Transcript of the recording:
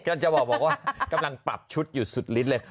กำลังจะบอกว่ากำลังปรับชุดอยู่สุดลิดเลย